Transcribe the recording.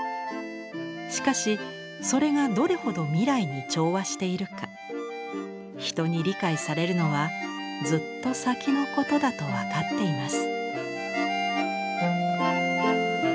しかしそれがどれほど未来に調和しているか人に理解されるのはずっと先のことだとわかっています」。